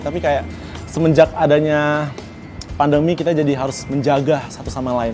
tapi kayak semenjak adanya pandemi kita jadi harus menjaga satu sama lain